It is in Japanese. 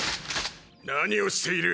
何をしている。